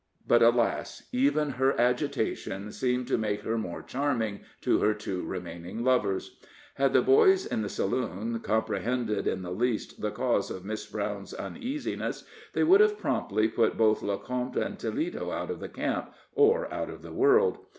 But alas! even her agitation seemed to make her more charming to her two remaining lovers. Had the boys at the saloon comprehended in the least the cause of Miss Brown's uneasiness, they would have promptly put both Lecomte and Toledo out of the camp, or out of the world.